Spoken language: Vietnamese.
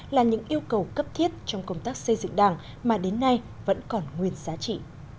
là những yêu cầu cấp thiết trong công tác xây dựng đảng mà đến nay vẫn còn nguyên giá trị